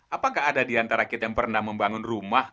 apakah ada di antara kita yang pernah membangun rumah